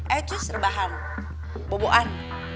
ecus rebahan boboan